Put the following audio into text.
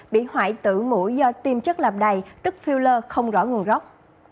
bị hoại tử mũi do tiêm chất lạp đầy tức phiêu lơ không rõ nguồn gốc